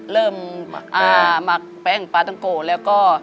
หมักแป้งปลาต้องโกแล้วก็